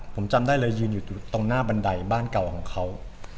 ผมจำได้เลยยืนอยู่ตรงหน้าบันไดบ้านเก่าของเขา